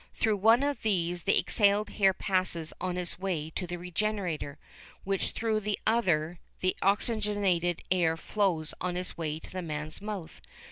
Through one of these the exhaled air passes on its way to the regenerator, while through the other the oxygenated air flows on its way to the man's mouth.